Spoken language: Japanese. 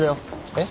えっ？